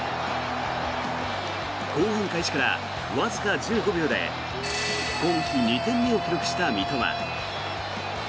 後半開始からわずか１５秒で今季２点目を記録した三笘。